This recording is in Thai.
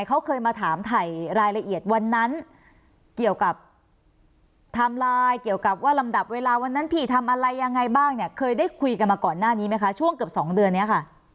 เขาเคยมาถามถ่ายรายละเอียดวันนั้นเกี่ยวกับไทม์ไลน์เกี่ยวกับว่าลำดับเวลาวันนั้นพี่ทำอะไรยังไงบ้างเนี่ยเคยได้คุยกันมาก่อนหน้านี้ไหมคะช่วงเกือบสองเดือนนี้ค่ะ